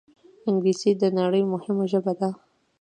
انګلیسي د نړۍ مهمه ژبه ده